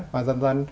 và dần dần